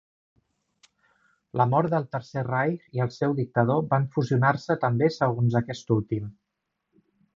La mort del Tercer Reich i el seu dictador van fusionar-se també segons aquest últim.